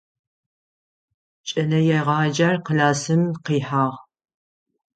Кӏэлэегъаджэр классым къихьагъ.